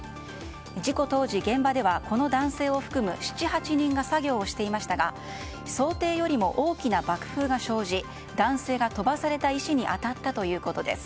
事故当時、現場ではこの男性を含む７８人が作業をしていましたが想定よりも大きな爆風が生じ男性が飛ばされた石に当たったということです。